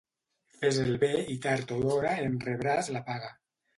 Fes el bé i tard o d'hora en rebràs la paga.